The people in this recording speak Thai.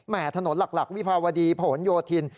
ถนนหลักวิภาวดีผนโยธิน